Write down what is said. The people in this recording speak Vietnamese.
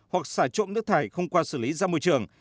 hoặc xả trộm nước thải không qua xử lý ra môi trường